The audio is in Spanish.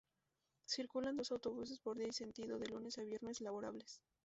Circulan dos autobuses por día y sentido, de lunes a viernes laborables.